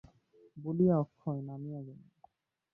বলিয়া অক্ষয় নামিয়া গেলেন।